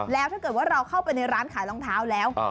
แล้วถ้าเกิดว่าเราเข้าไปในร้านขายรองเท้าแล้ว